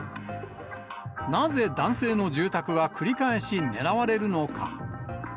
なぜ男性の住宅は繰り返し狙われるのか。